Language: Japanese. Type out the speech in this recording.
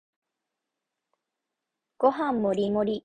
ご飯もりもり